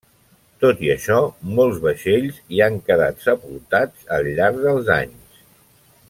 Tot i això, molts vaixells hi han quedat sepultats al llarg dels anys.